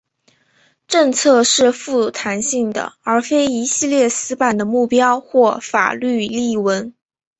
政策是富弹性的而非一系列死板的目标或法律例文。